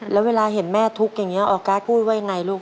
แล้วเวลาเห็นแม่ทุกข์อย่างนี้ออกัสพูดว่ายังไงลูก